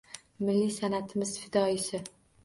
Milliy san’atimiz fidoyisi